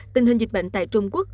tình hình dịch bệnh tại trung quốc